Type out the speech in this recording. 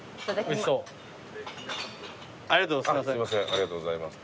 ありがとうございます。